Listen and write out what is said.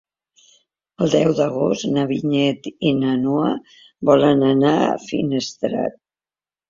El deu d'agost na Vinyet i na Noa volen anar a Finestrat.